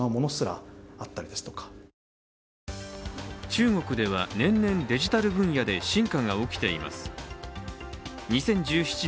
中国では年々デジタル分野で進化が起きています。